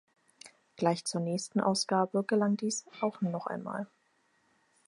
Gleich zur nächsten Ausgabe gelang dies auch noch einmal.